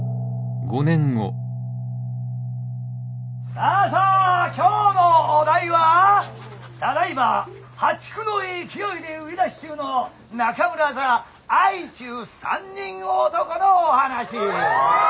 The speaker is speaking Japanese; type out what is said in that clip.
さあさあ今日のお題はただいま破竹の勢いで売り出し中の中村座相中三人男のお話。